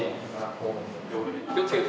気をつけ。